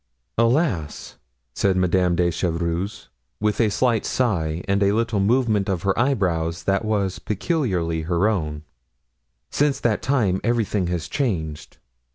"Alas!" said Madame de Chevreuse, with a slight sigh and a little movement of her eyebrows that was peculiarly her own, "since that time everything has changed."